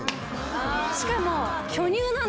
しかも。